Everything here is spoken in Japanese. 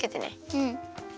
うん。